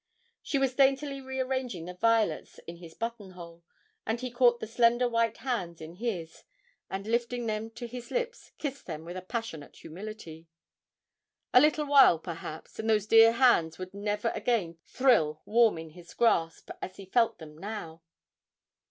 She was daintily rearranging the violets in his buttonhole, and he caught the slender white hands in his, and, lifting them to his lips, kissed them with a passionate humility. A little while, perhaps, and those dear hands would never again thrill warm in his grasp as he felt them now!